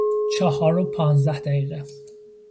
چهار و پانزده دقیقه